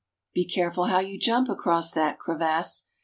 Be careful how you jump across that crevasse